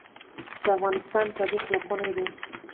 د افغانستان تاریخ لرغونی دی